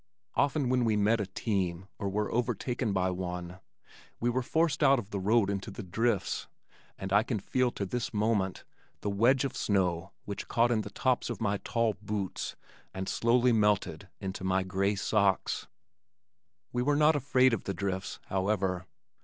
Often when we met a team or were overtaken by one, we were forced out of the road into the drifts, and I can feel to this moment, the wedge of snow which caught in the tops of my tall boots and slowly melted into my gray socks. We were not afraid of the drifts, however.